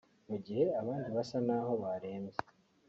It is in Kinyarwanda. mu gihe abandi basa naho barembye